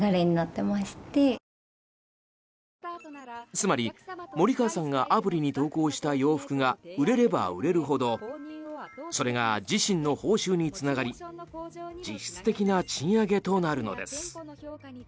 つまり、森川さんがアプリに投稿した洋服が売れれば売れるほどそれが自身の報酬につながり実質的な賃上げとなるのです。